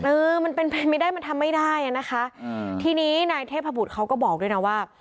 เออมันเป็นไปไม่ได้มันทำไม่ได้อ่ะนะคะอืมทีนี้นายเทพบุตรเขาก็บอกด้วยนะว่า